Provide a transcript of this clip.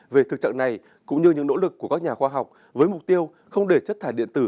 về thực trạng này cũng như những nỗ lực của các nhà khoa học với mục tiêu không để chất thải điện tử